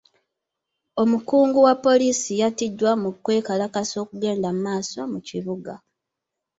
Omukungu wa poliisi yatiddwa mu kwekalakaasa okugenda maaso mu kibuga.